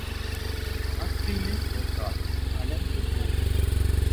ஆற்றிலே போட்டாலும் அளந்து போடு.